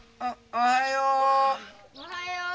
・おはよう。